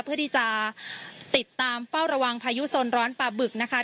เพื่อที่จะติดตามเฝ้าระวังพายุโซนร้อนปลาบึกนะคะ